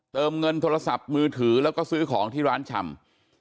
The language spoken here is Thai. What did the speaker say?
เงินโทรศัพท์มือถือแล้วก็ซื้อของที่ร้านชำ